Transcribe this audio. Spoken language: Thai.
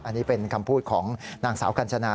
อันนี้เป็นคำพูดของนางสาวกัญชนา